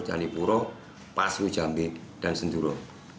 jani puro pasu jambi dan senduro